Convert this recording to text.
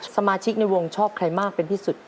สมาชิกในวงชอบใครมากเป็นที่สุด